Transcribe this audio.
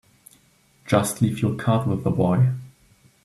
Just leave your card with the boy.